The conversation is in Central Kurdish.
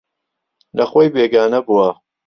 لەخۆی بێگانە بووە